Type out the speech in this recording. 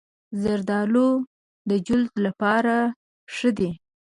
زردالو د جلد لپاره ښه دی.